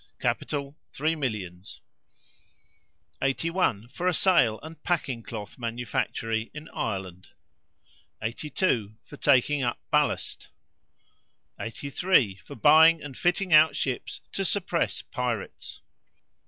Capital, three millions. 81. For a sail and packing cloth manufactory in Ireland. 82. For taking up ballast. 83. For buying and fitting out ships to suppress pirates.